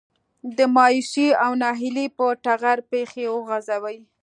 د مايوسي او ناهيلي په ټغر پښې وغځوي.